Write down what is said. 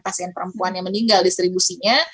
pasien perempuan yang meninggal distribusinya